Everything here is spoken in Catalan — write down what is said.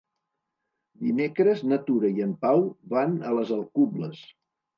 Dimecres na Tura i en Pau van a les Alcubles.